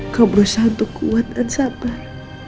kau berusaha untuk kuat dan sabar